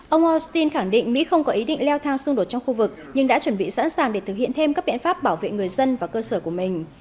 ông austin khẳng định mỹ không có ý định leo thang xung đột trong khu vực nhưng đã chuẩn bị sẵn sàng để thực hiện thêm các biện pháp bảo vệ người dân và cơ sở của mình